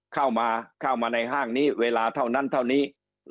เข้ามาเข้ามาในห้างนี้เวลาเท่านั้นเท่านี้